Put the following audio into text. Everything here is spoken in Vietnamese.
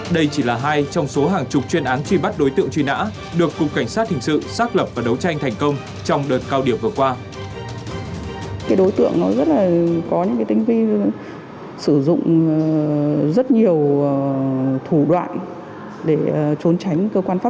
đây chỉ là hai trong số hàng chục chuyên án truy bắt đối tượng truy nã được cục cảnh sát hình sự xác lập và đấu tranh thành công trong đợt cao điểm vừa qua